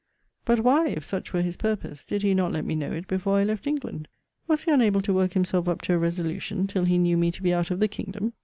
But why, if such were his purpose, did he not let me know it before I left England? Was he unable to work himself up to a resolution, till he knew me to be out of the kingdom?